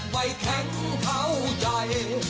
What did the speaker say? ไม่แข็งเท่าใด